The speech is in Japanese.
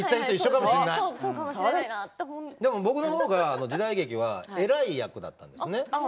僕の方が時代劇は偉い役だったんですよ。